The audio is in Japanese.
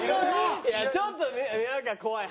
ちょっとなんか怖い。